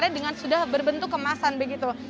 karena dengan sudah berbentuk kemasan begitu